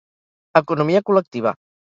Economia col·lectiva.